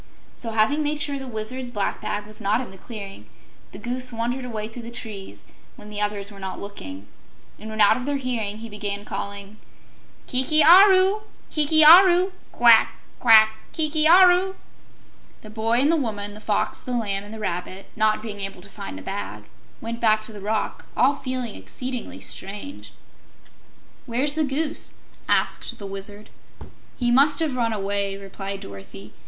So, having made sure the Wizard's black bag was not in the clearing, the Goose wandered away through the trees when the others were not looking, and when out of their hearing, he began calling, "Kiki Aru! Kiki Aru! Quack quack! Kiki Aru!" The Boy and the Woman, the Fox, the Lamb, and the Rabbit, not being able to find the bag, went back to the rock, all feeling exceedingly strange. "Where's the Goose?" asked the Wizard. "He must have run away," replied Dorothy.